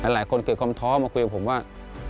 หลายคนเกิดความท้อมาคุยกับผมว่า